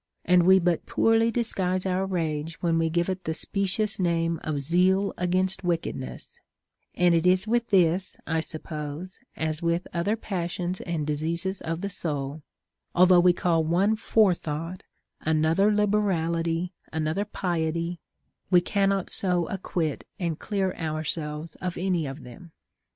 And we but poorly disguise our rage wiien we giA^e it the specious name of zeal against wickedness ; and it is with this, I suppose, as with other passions and diseases of the soul, — although we call one forethought, another liber ality, another piety, we cannot so acquit and clear ourselves of any of them.